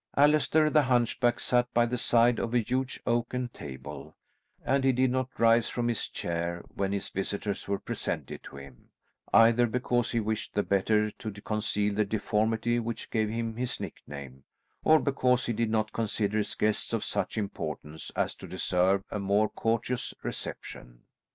Allaster the Hunchback sat by the side of a huge oaken table, and he did not rise from his chair when his visitors were presented to him, either because he wished the better to conceal the deformity which gave him his nickname, or because he did not consider his guests of such importance as to deserve a more courteous reception.